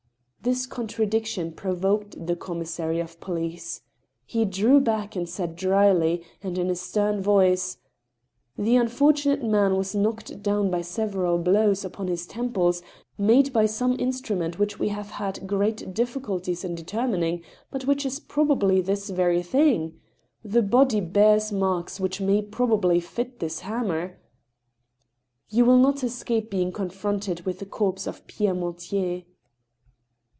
This contradiction provoked the commissary of police. He drew back and said, dryly, and in a stem voice :" The unfortunate man was knocked down by several blows upon his temples made by some instrument which we have had great difficulty in determining, but which is probably this very thing. The body bears marks which may probably fit this hammer. You will not escape being confronted with the corpse of Pierre Mortier."